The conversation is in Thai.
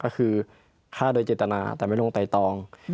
ก็คือฆ่าโดยเจตนาแต่ไม่ลงไตตอง